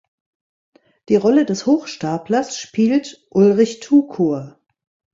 Die Rolle des Hochstaplers spielt Ulrich Tukur.